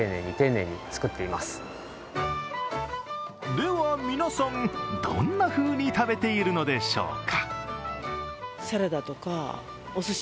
では皆さん、どんなふうに食べているのでしょうか。